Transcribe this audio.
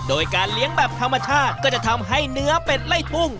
โดยการเลี้ยงแบบธรรมชาติก็จะทำให้เนื้อเป็ดไล่ทุ่ง